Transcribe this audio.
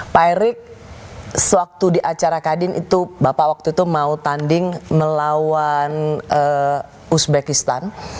pak erik sewaktu di acara kadin itu bapak waktu itu mau tanding melawan uzbekistan